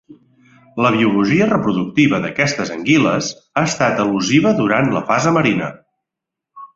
La biologia reproductiva d'aquestes anguiles ha estat elusiva durant la fase marina.